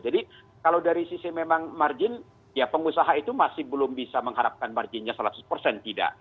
jadi kalau dari sisi memang margin ya pengusaha itu masih belum bisa mengharapkan marginnya seratus tidak